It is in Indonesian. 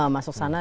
masuk ke sana